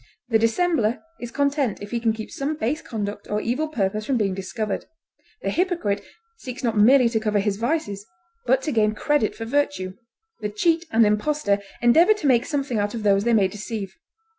The dissembler is content if he can keep some base conduct or evil purpose from being discovered; the hypocrite seeks not merely to cover his vices, but to gain credit for virtue. The cheat and impostor endeavor to make something out of those they may deceive.